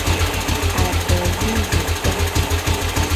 Adovizekpa.